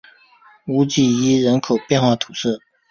乌济伊人口变化图示